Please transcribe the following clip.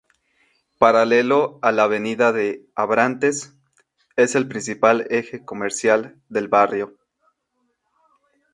Paralelo a la Avenida de Abrantes, es el principal eje comercial del barrio.